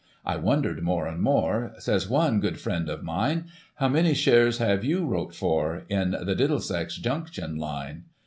" I wondered more and more ; Says one, ' Good friend of mine, How many shares have you wrote for In the Diddle sex Junction Line